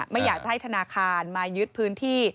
ไม่อยากจะให้ธนาคารมายึดพื้นที่